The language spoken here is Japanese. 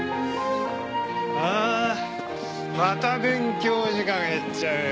ああまた勉強時間減っちゃうよ。